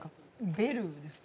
ベルですか？